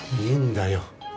いいんだよ。